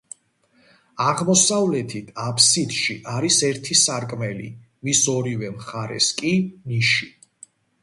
აღმოსავლეთით აფსიდში არის ერთი სარკმელი, მის ორივე მხარეს კი ნიში.